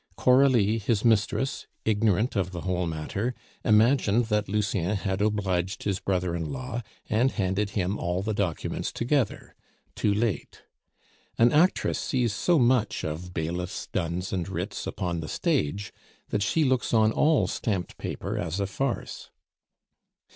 Coralie, his mistress, ignorant of the whole matter, imagined that Lucien had obliged his brother in law, and handed him all the documents together too late. An actress sees so much of bailiffs, duns, and writs, upon the stage, that she looks on all stamped paper as a farce.